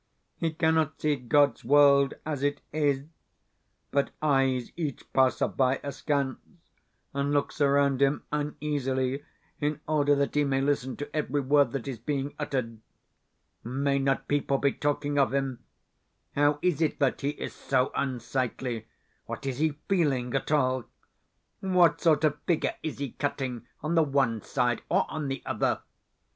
He cannot see God's world as it is, but eyes each passer by askance, and looks around him uneasily in order that he may listen to every word that is being uttered. May not people be talking of him? How is it that he is so unsightly? What is he feeling at all? What sort of figure is he cutting on the one side or on the other?